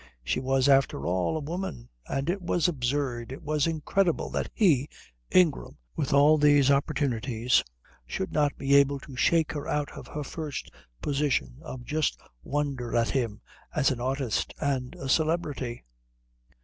She was, after all, a woman; and it was absurd, it was incredible, that he, Ingram, with all these opportunities should not be able to shake her out of her first position of just wonder at him as an artist and a celebrity.